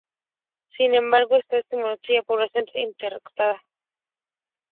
Sin embargo, esta etimología es probablemente incorrecta.